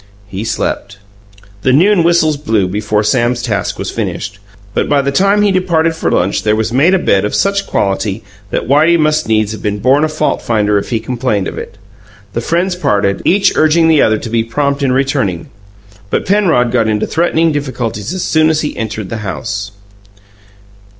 He slept. The noon whistles blew before Sam's task was finished; but by the time he departed for lunch there was made a bed of such quality that Whitey must needs have been a born fault finder if he complained of it. The friends parted, each urging the other to be prompt in returning; but Penrod got into threatening difficulties as soon as he entered the house.